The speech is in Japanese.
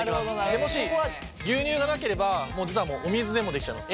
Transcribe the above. もし牛乳がなければもう実はお水でもできちゃいます。